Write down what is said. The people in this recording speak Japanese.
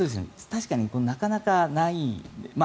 確かになかなかない。